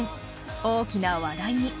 ［大きな話題に］